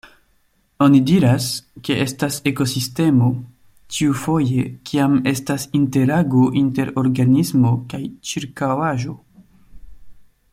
Oni diras, ke estas ekosistemo, ĉiufoje kiam estas interago inter organismo kaj ĉirkaŭaĵo.